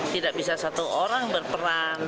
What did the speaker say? tidak bisa satu orang berperan